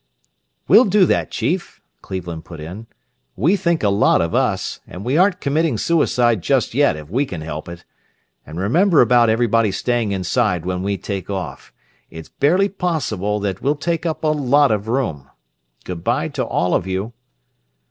"We'll do that, Chief," Cleveland put in. "We think a lot of us, and we aren't committing suicide just yet if we can help it. And remember about everybody staying inside when we take off it's barely possible that we'll take up a lot of room. Good bye to all of you."